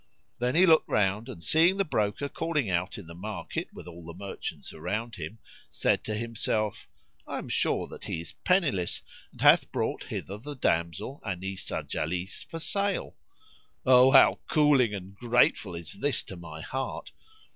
Then he looked round and, seeing the broker calling out in the market with all the merchants around him, said to himself, "I am sure that he is penniless and hath brought hither the damsel Anis al Jalis for sale;" adding, "O how cooling and grateful is this to my heart!"